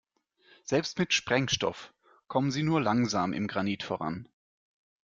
Selbst mit Sprengstoff kommen sie nur langsam im Granit voran.